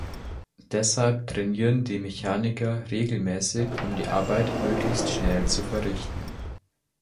Deshalb trainieren die Mechaniker regelmäßig, um die Arbeiten möglichst schnell zu verrichten.